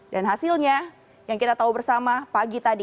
dan hasilnya yang kita tahu bersama pagi tadi